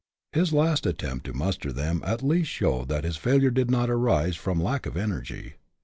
His last attempt to muster them, at least showed that his failure did not arise from lack of energy.